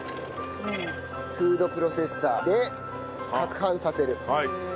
フードプロセッサーで攪拌させる。